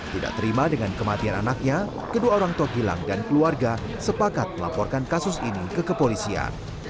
tidak terima dengan kematian anaknya kedua orang tua gilang dan keluarga sepakat melaporkan kasus ini ke kepolisian